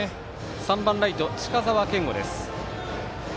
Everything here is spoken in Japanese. ３番ライト、近澤賢虎です。